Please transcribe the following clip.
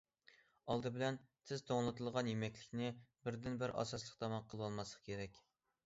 ئالدى بىلەن تېز توڭلىتىلغان يېمەكلىكنى بىردىنبىر ئاساسلىق تاماق قىلىۋالماسلىق كېرەك.